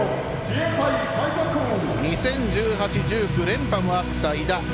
２０１８、２０１９連覇もあった、井田。